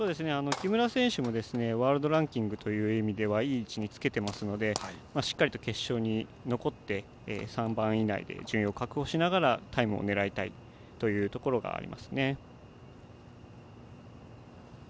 木村選手もワールドランキングという意味でいい位置につけていますのでしっかりと決勝に残って３番以内で順位を確保しながらタイムを狙いたいですね。